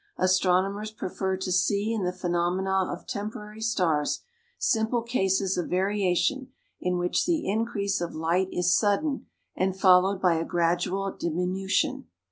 Astronomers prefer to see in the phenomena of temporary stars simple cases of variation in which the increase of light is sudden, and followed by a gradual diminution.